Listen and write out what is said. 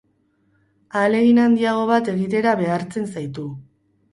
Ahalegin handiago bat egitera behartzen zaitu.